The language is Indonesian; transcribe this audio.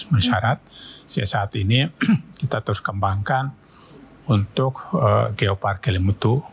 menyarat sejak saat ini kita terus kembangkan untuk geopark kelimutu